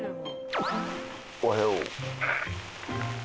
おはよう。